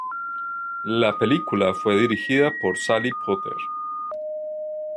La película fue dirigida por Sally Potter.